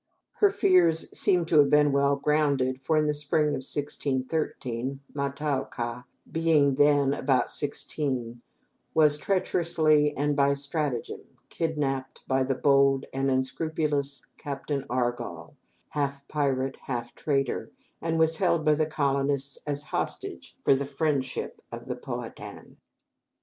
Her fears seem to have been well grounded, for in the spring of 1613, Ma ta oka, being then about sixteen, was treacherously and "by stratagem" kidnapped by the bold and unscrupulous Captain Argall half pirate, half trader, and was held by the colonists as hostage for the "friendship" of Pow ha tan.